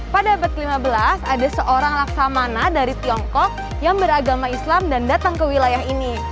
pada abad ke lima belas ada seorang laksamana dari tiongkok yang beragama islam dan datang ke wilayah ini